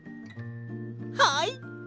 はい！